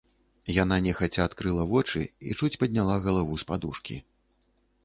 Яна нехаця адкрыла вочы і чуць падняла галаву з падушкі.